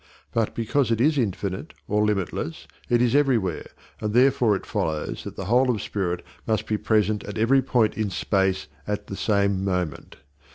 But because it is infinite, or limitless, it is everywhere, and therefore it follows that the whole of spirit must be present at every point in space at the same moment.